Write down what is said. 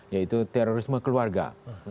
yaitu terorisme keluarga